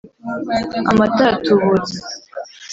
Amata aratubutse